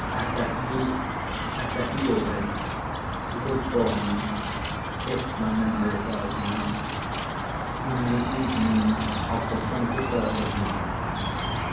Akakiy Akakievitch was born, if my memory fails me not, in the evening of the 23rd of March.